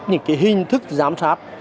những cái hình thức giám sát